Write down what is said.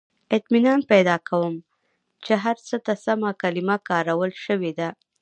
• اطمینان پیدا کوم، چې هر څه ته سمه کلمه کارول شوې ده.